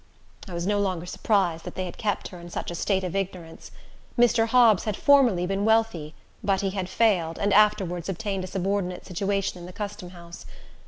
I was no longer surprised that they had kept her in such a state of ignorance. Mr. Hobbs had formerly been wealthy, but he had failed, and afterwards obtained a subordinate situation in the Custom House.